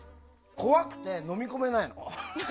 怖くて飲み込めないもん。